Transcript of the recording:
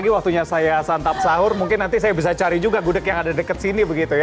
waktunya saya santap sahur mungkin nanti saya bisa cari juga gudeg yang ada dekat sini begitu ya